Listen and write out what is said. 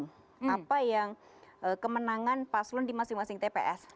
yang pertama yang kemenangan pas lo di masing masing tps